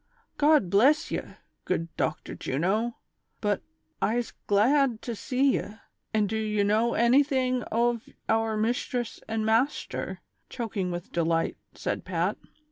'* God bless ye, good Dochter Juno, but I'se glad to see ye ; an' do ye know anyting ov our mishtress an' mashter V " choking with delight, said Pat.